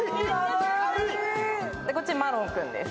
こっちマロンくんです。